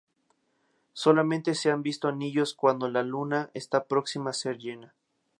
Solamente se han visto anillos cuando la Luna está próxima a ser llena.